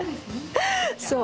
そう。